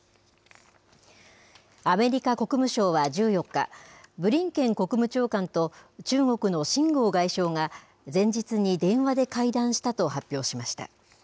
アメリカ国務省は１４日、ブリンケン国務長官と中国の秦剛外相が、前日に電話で会談したと発表しました。